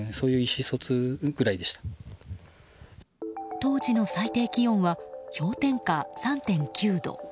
当時の最低気温は氷点下３．９度。